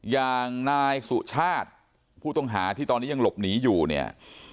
อย่างนายสุชาติผู้ต้องหาที่ตอนนี้ยังหลบหนีอยู่เนี่ย